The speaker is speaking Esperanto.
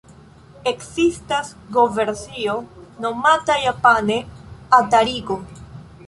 Ekzistas go-versio nomata japane 'Atari-go'.